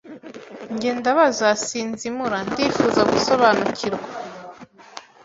Njye ndabaza sinzimura, ndifuza gusobanukirwa